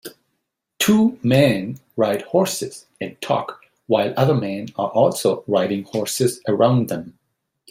Two men ride horses and talk while other men are also riding horses around them.